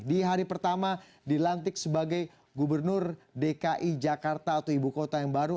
di hari pertama dilantik sebagai gubernur dki jakarta atau ibu kota yang baru